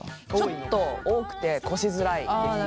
ちょっと多くてこしづらいですね。